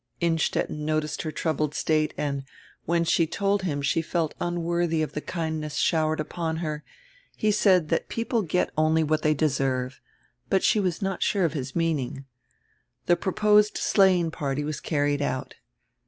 Inn stetten noticed her troubled state and, when she told him she felt unworthy of the kindness showered upon her, he said diat people get only what diey deserve, but she was not sure of his meaning. The proposed sleighing party was carried out.